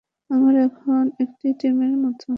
আমরা এখন একটি টিমের মতো।